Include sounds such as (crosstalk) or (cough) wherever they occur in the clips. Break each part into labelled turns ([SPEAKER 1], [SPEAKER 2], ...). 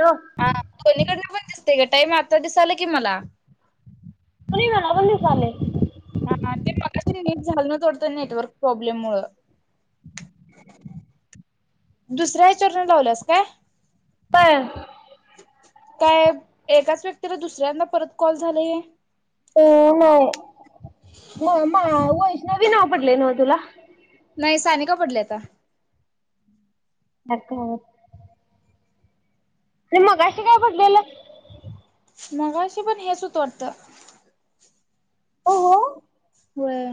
[SPEAKER 1] Hello
[SPEAKER 2] हा दोन्हीकडन पण दिसतका टाईम आत्ता दिसालय की मला
[SPEAKER 1] पुरी म ना बंद झाले
[SPEAKER 2] हा हा ते मगाशी नेट झालं कट नेटवर्क प्रॉब्लेम मुळ दुसऱ्या हेच्यावरन लावल्यास काय
[SPEAKER 1] पण
[SPEAKER 2] काय एकाच व्यक्तीला दुसऱ्यांदा परत कॉल झाले
[SPEAKER 1] हो नाही म मा वैष्णव नाव पडलेय ना तुला
[SPEAKER 2] नाही सानिका पडलंय आता
[SPEAKER 1] अतो ते मगाशी काय पडलेलं
[SPEAKER 2] मगाशी पण हेच होतं वाटतं
[SPEAKER 1] हो
[SPEAKER 2] व्हय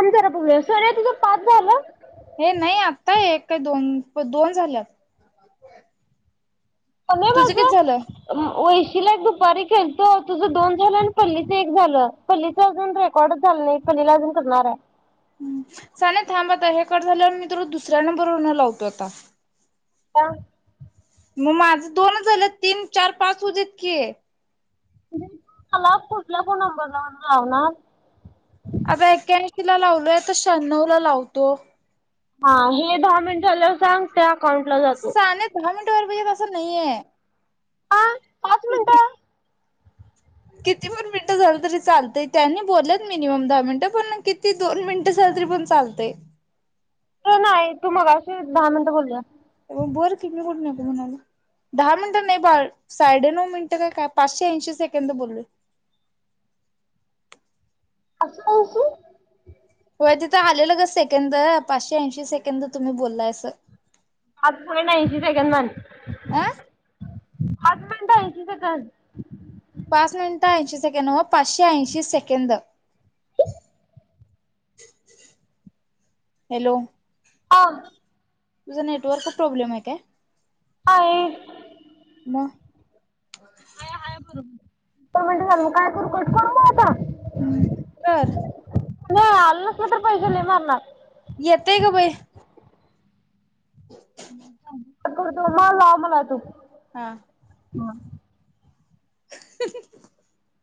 [SPEAKER 1] थांब जरा बघुया, सोन्या तुझं पाच झालं
[SPEAKER 2] हे नाही आता एक काय दोन, दोन झाल्यात
[SPEAKER 1] कोमे
[SPEAKER 2] तुझं किती झालं?
[SPEAKER 1] माझं तिला दुपारी केलतो तुझ दोन झालं आणि पल्लीचं एक झालं पल्लीचं अजून रेकॉर्डच झालं नाही, पल्लीला अजून करणार आहे.
[SPEAKER 2] साने थांब आता हे कट झाल्यावर मी तुला दुसऱ्या नंबरवर लावतो आता
[SPEAKER 1] ह
[SPEAKER 2] मग माझं दोनच झालेत तीन, चार, पाच होऊ देत की
[SPEAKER 1] मला कुठल्या फोन नंबर वरण लावणार
[SPEAKER 2] आता एक्याऐंशी ला लावलोय आता शहाण्णोवला लावतो
[SPEAKER 1] हा हे दहा मिनिट झाल्यावर सांग त्या अकाउंटला जातो
[SPEAKER 2] साने दहा मिंट तर असं नाहीय
[SPEAKER 1] हा पाच
[SPEAKER 2] हं
[SPEAKER 1] मिनिटं
[SPEAKER 2] किती पण मिनिटं झालं तरी चालतय, त्यांनी बोललेत मिनिमम दहा मिनिटं पण किती दोन मिनिटं झालं तरी पण चालतय
[SPEAKER 1] ते नाही तू मगाशी दहा मिनट बोललीयास
[SPEAKER 2] बोल की मी कुठं नको म्हणालोय, दहा मिनिट नाही बाळ साडे नऊ मिनिटं काय काय पाचशे ऐंशी सेकंद बोललोय
[SPEAKER 1] अस ऐकु
[SPEAKER 2] होय तिथं आलेलं ग सेकंद पाचशे ऐंशी सेकंद तुम्ही बोललाय अस
[SPEAKER 1] आता पर्यंत ऐंशी सेकंद झालेत
[SPEAKER 2] अ
[SPEAKER 1] (inaudible) आठ मिंट ऐंशी सेकंद
[SPEAKER 2] पाच मिनिटं ऐंशी पाचशे ऐंशी सेकंद हॅलो
[SPEAKER 1] ह
[SPEAKER 2] तुझा नेटवर्क प्रॉब्लेम आहे काय
[SPEAKER 1] हा ये
[SPEAKER 2] म
[SPEAKER 1] म्हट झा काय करू करू आता
[SPEAKER 2] हम्म ब
[SPEAKER 1] नाही आल नसलं तर पैसे ल मारणार
[SPEAKER 2] येतंय का बाई
[SPEAKER 1] करतो मला मला तू
[SPEAKER 2] हा
[SPEAKER 1] ह
[SPEAKER 2] (unintelligible)